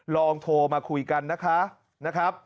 ลองโทรมาคุยกันนะคะ